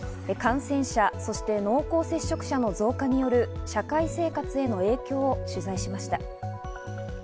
感染者、そして濃厚接触者の増加による社会生活の影響を取材しました。